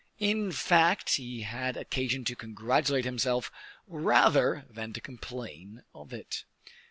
In fact, he had occasion to congratulate himself rather than to complain of it.